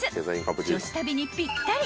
［女子旅にぴったり！］